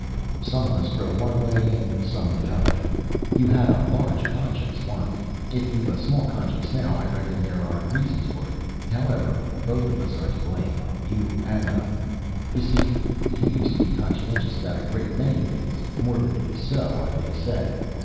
"Some of us grow one way and some the other. You had a large conscience once; if you've a small conscience now I reckon there are reasons for it. However, both of us are to blame, you and I. You see, you used to be conscientious about a great many things; morbidly so, I may say.